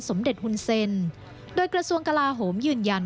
สมเด็จฮุนเซ็นโดยกระทรวงกลาโหมยืนยัน